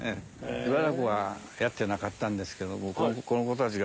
しばらくはやってなかったんですけどこの子たちが。